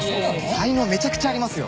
才能めちゃくちゃありますよ。